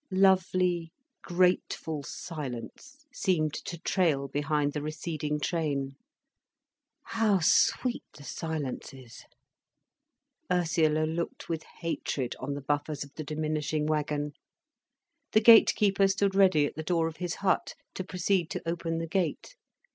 Lovely, grateful silence seemed to trail behind the receding train. How sweet the silence is! Ursula looked with hatred on the buffers of the diminishing wagon. The gatekeeper stood ready at the door of his hut, to proceed to open the gate.